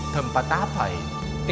tempat apa ini